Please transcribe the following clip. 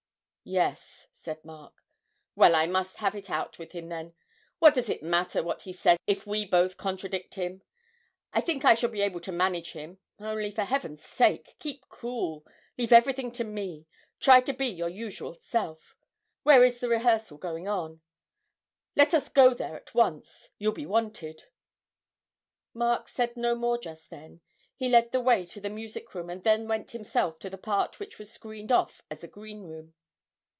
'Yes,' said Mark. 'Well, I must have it out with him, then. What does it matter what he says if we both contradict him? I think I shall be able to manage him; only, for Heaven's sake, keep cool, leave everything to me, try to be your usual self. Where is this rehearsal going on? Let us go there at once you'll be wanted!' Mark said no more just then; he led the way to the music room, and then went himself to the part which was screened off as a green room.